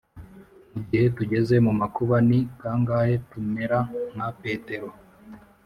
mu gihe tugeze mu makuba, ni kangahe tumera nka petero!